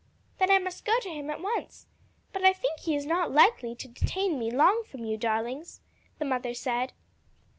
"Then I must go to him at once. But I think he is not likely to detain me long away from you, darlings," the mother said.